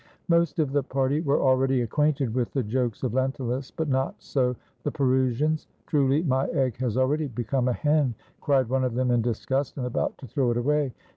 Most of the party were already acquainted with the jokes of Lentulus, but not so the Perusians. '' Truly, my egg has already be come a hen!" cried one of them in disgust, and about to throw it away.